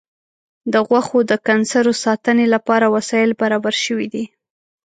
د غوښو د کنسرو ساتنې لپاره وسایل برابر شوي دي.